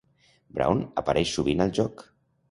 Brown apareix sovint al joc.